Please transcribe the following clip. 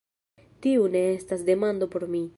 Tiu ne estas demando por mi.